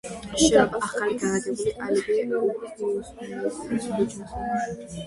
შენობა ახლა განლაგებულია ალიბეი ჰუსეინზადეს ქუჩაზე.